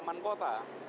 di taman kota